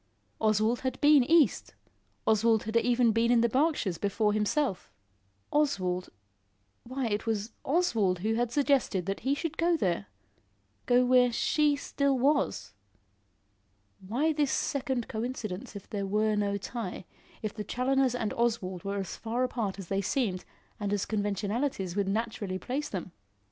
Oswald had been east, Oswald had even been in the Berkshires before himself. Oswald Why it was Oswald who had suggested that he should go there go where she still was. Why this second coincidence, if there were no tie if the Challoners and Oswald were as far apart as they seemed and as conventionalities would naturally place them.